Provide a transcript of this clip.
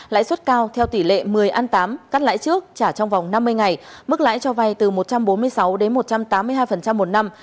lãi suất cao theo tỷ lệ một mươi a tám cắt lãi trước trả trong vòng năm mươi ngày mức lãi cho vai từ một trăm bốn mươi sáu đến một trăm tám mươi hai một năm